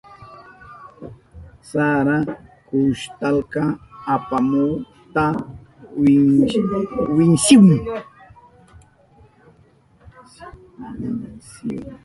Sara kustalka apamuhukta winsihun.